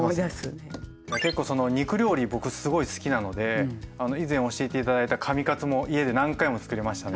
結構その肉料理僕すごい好きなので以前教えて頂いた紙カツも家で何回もつくりましたね。